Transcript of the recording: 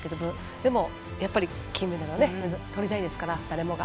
でも、金メダルをとりたいですから、誰もが。